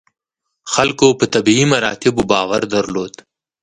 خلکو په طبیعي مراتبو باور درلود.